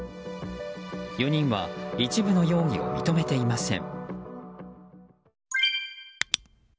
４人は一部の容疑を認めていません。